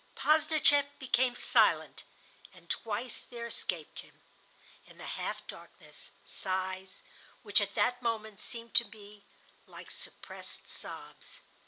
Posdnicheff became silent, and twice there escaped him, in the half darkness, sighs, which at that moment seemed to me like suppressed sobs.